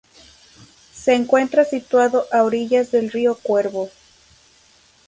Se encuentra situado a orillas del río Cuervo.